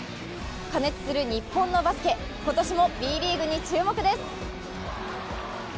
過熱する日本のバスケ今年もＢリーグに注目です。